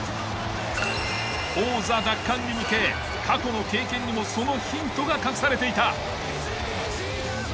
王座奪還に向け過去の経験にもそのヒントが隠されていた！